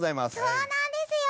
そうなんですよ。